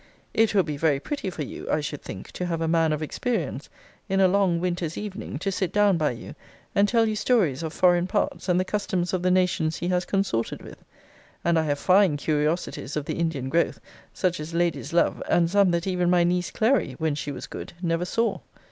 It will be very pretty for you, I should think, to have a man of experience, in a long winter's evening, to sit down by you, and tell you stories of foreign parts, and the customs of the nations he has consorted with. And I have fine curiosities of the Indian growth, such as ladies love, and some that even my niece Clary, when she was good, never saw.